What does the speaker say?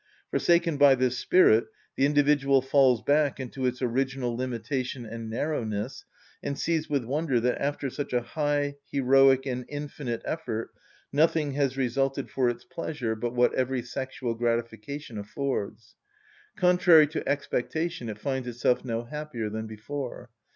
Forsaken by this spirit, the individual falls back into its original limitation and narrowness, and sees with wonder that after such a high, heroic, and infinite effort nothing has resulted for its pleasure but what every sexual gratification affords. Contrary to expectation, it finds itself no happier than before.